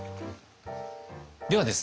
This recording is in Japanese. ではですね